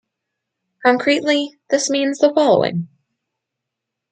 Concretely, this means the following.